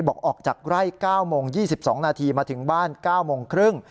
ออกจากไร่๙โมง๒๒นาทีมาถึงบ้าน๙โมงครึ่ง